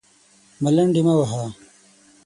_ملنډې مه وهه!